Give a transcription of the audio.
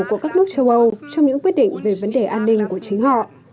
của các nước châu âu trong những quyết định về vấn đề an ninh của chính họ